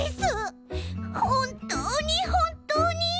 ほんとうにほんとうに？